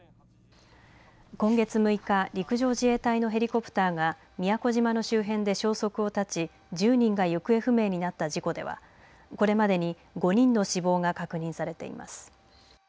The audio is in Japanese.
今月６日、陸上自衛隊のヘリコプターが宮古島の周辺で消息を絶ち、１０人が行方不明になった事故ではこれまでに５人の死亡が確認されています。